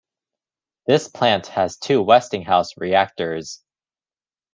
This plant has two Westinghouse reactors.